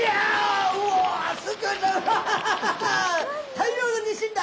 「大漁のニシンだ」。